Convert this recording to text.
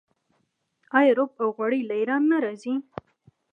آیا رب او غوړي له ایران نه راځي؟